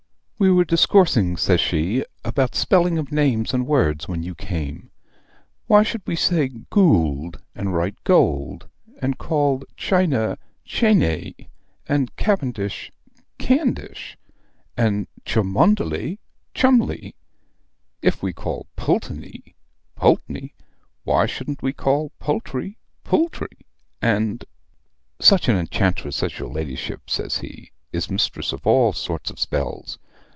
"'We were discoursing,' says she, 'about spelling of names and words when you came. Why should we say goold and write gold, and call china chayney, and Cavendish Candish, and Cholmondeley Chumley? If we call Pulteney Poltney, why shouldn't we call poultry pultry and ' "'Such an enchantress as your ladyship,' says he, 'is mistress of all sorts of spells.'